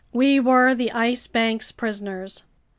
We were the Ice Bank's prisoners!